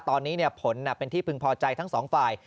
ตอนนี้ผลเป็นที่พึงพอใจทั้งสองฝ่าย